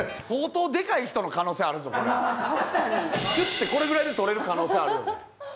ひゅってこれぐらいで取れる可能性あるよね。